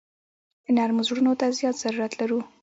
نرمو زړونو ته زیات ضرورت لرو.